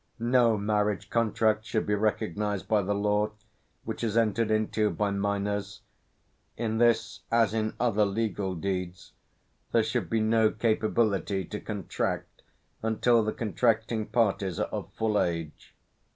No marriage contract should be recognised by the law which is entered into by minors; in this, as in other legal deeds, there should be no capability to contract until the contracting parties are of full age.